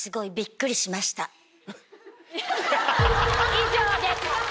以上です。